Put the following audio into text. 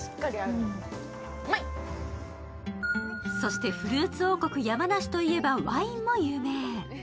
そしてフルーツ王国・山梨と言えば、ワインも有名。